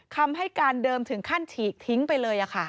คำให้การเดิมถึงขั้นฉีกทิ้งไปเลย